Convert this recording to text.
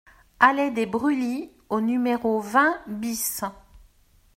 Allée des Brûlis au numéro vingt BIS